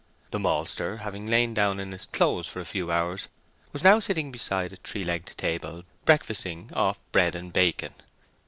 The maltster, after having lain down in his clothes for a few hours, was now sitting beside a three legged table, breakfasting off bread and bacon.